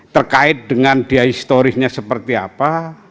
terkait dengan dia historisnya seperti apa